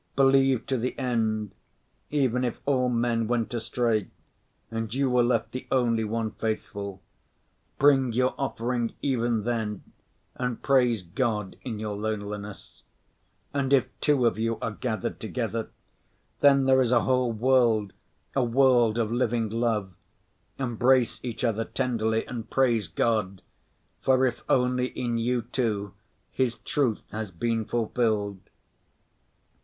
Believe to the end, even if all men went astray and you were left the only one faithful; bring your offering even then and praise God in your loneliness. And if two of you are gathered together—then there is a whole world, a world of living love. Embrace each other tenderly and praise God, for if only in you two His truth has been fulfilled.